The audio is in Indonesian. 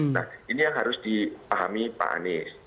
nah ini yang harus dipahami pak anies